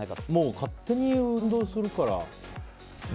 勝手に運動するから。